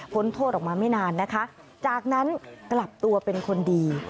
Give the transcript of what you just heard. โทษออกมาไม่นานนะคะจากนั้นกลับตัวเป็นคนดี